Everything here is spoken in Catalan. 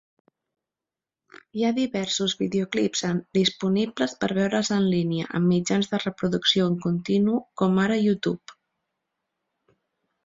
Hi ha diversos videoclips disponibles per veure'ls en línia amb mitjans de reproducció en continu, com ara YouTube.